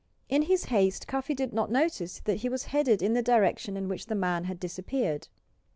In his haste Cuffy did not notice that he was headed in the direction in which the man had disappeared.